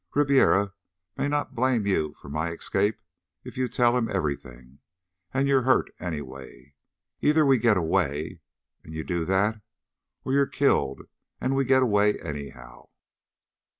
Ribiera may not blame you for my escape if you tell him everything and you're hurt, anyway. Either we get away, and you do that, or you're killed and we get away anyhow."